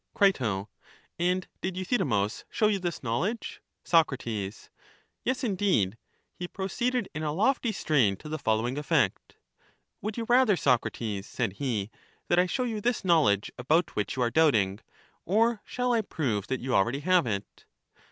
Cri. And did Euthydemus show you this knowl edge? Soc. Yes, indeed; he proceeded in a lofty strain to the following effect: Would you rather, Socrates, said he, that I should show you this knowledge about which you are doubting, or shall I prove that you already have it?